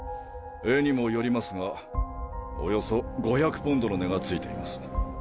絵にもよりますがおよそ５００ポンドの値が付いています。